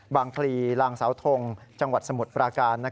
พลีลางสาวทงจังหวัดสมุทรปราการ